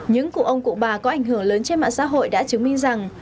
những cụ ông cụ bà có ảnh hưởng lớn trên mạng xã hội đã chứng minh rằng